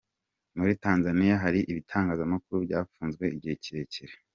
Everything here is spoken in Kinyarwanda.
Muri Tanzania hari ibitangazamakuru byafunzwe igihe kirekire.